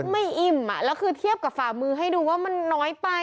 ไม่อิ่มแล้วคือเทียบกับฝ่ามือให้ดูว่ามันน้อยไป